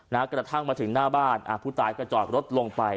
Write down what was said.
นะครับกระทั่งมาถึงหน้าบ้านผู้ตายก็จอดรถลงไป